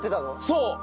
そう。